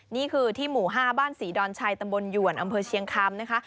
นี่คือที่หมู่๕บ้านศรีดอนชัยตำบลหยวนอำเภอเชียงคำนะคะ